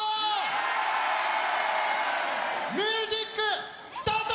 ミュージックスタート！